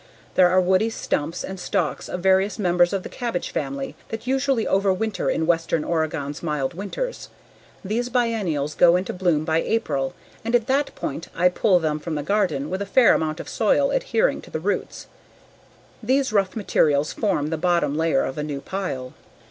There are woody stumps and stalks of various members of the cabbage family that usually overwinter in western Oregon's mild winters. These biennials go into bloom by April and at that point I pull them from the garden with a fair amount of soil adhering to the roots. These rough materials form the bottom layer of a new pile.